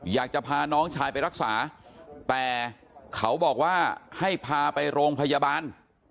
อยากจะพาน้องชายไปรักษาแต่เขาบอกว่าให้พาไปโรงพยาบาล